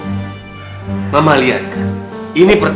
ya gue paksa buat ngak gini efek